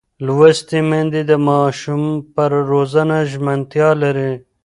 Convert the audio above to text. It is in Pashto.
لوستې میندې د ماشوم پر روزنه ژمنتیا لري.